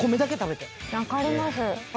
分かります。